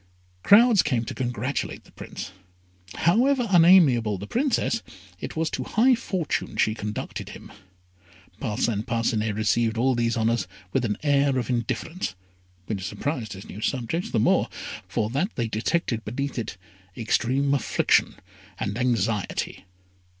Crowds came to congratulate the Prince. However unamiable the Princess, it was to high fortune she conducted him. Parcin Parcinet received all these honours with an air of indifference, which surprised his new subjects the more, for that they detected beneath it extreme affliction and anxiety.